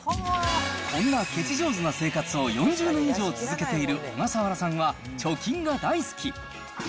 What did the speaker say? こんなケチ上手な生活を４０年以上続けている小笠原さんは、貯金が大好き。